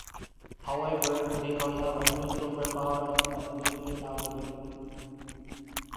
However, they all have a new super power and can well get out of it.